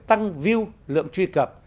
tăng view lượng truy cập